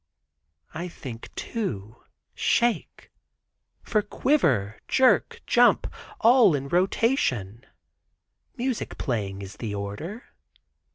I think, too, shake, for quiver, jerk, jump, all in rotation; music playing is the order.